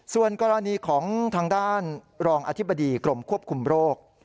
ส่วนกรณีของทางด้านรองอธิบดีกรมควบคุมโรค